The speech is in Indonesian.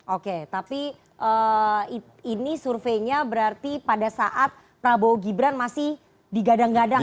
oke tapi ini surveinya berarti pada saat prabowo gibran masih digadang gadang